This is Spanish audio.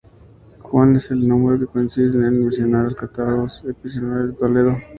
Juan es el nombre que coinciden en mencionar los catálogos episcopales de Toledo.